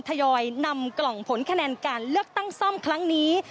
ทยอยนำกล่องผลคะแนนการเลือกตั้งซ่อมครั้งนี้